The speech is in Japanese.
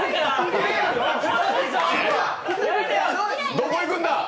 どこ行くんだ！